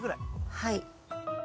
はい。